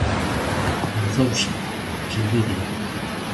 Avanzouse, sen dúbida.